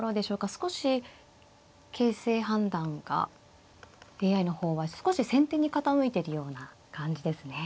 少し形勢判断がＡＩの方は少し先手に傾いているような感じですね。